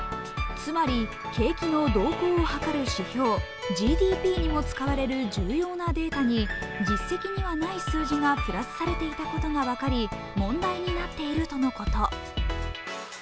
つまり景気の動向を図る指標、ＧＤＰにも使われる重要なデータに実績にはない数字がプラスされていたことが分かり問題になっているとのこと。